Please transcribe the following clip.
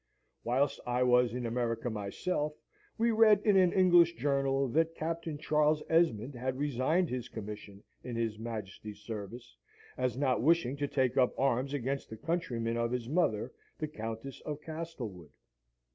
Whilst I was in America myself, we read in an English journal that Captain Charles Esmond had resigned his commission in his Majesty's service, as not wishing to take up arms against the countrymen of his mother, the Countess of Castlewood.